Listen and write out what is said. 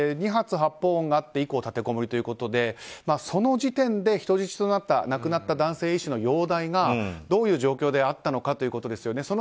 ２発、発砲音があって以降、立てこもりということでその時点で、人質となった亡くなった男性医師の容体がどういう状況だったのかということですよね。